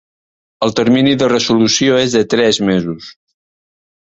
El termini de resolució és de tres mesos.